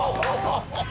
ハハハハ！